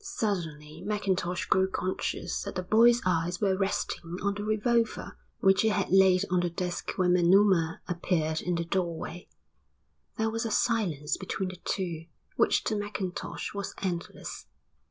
Suddenly Mackintosh grew conscious that the boy's eyes were resting on the revolver which he had laid on the desk when Manuma appeared in the doorway. There was a silence between the two which to Mackintosh was endless.